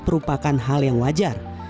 merupakan hal yang wajar